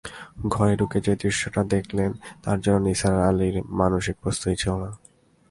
ঘরে ঢুকে যে দৃশ্যটি দেখলেন, তার জন্যে নিসার আলির মানসিক প্রস্তুতি ছিল না।